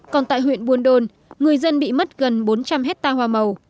còn tại huyện buồn đôn người dân bị mất gần bốn trăm linh hecta hoa màu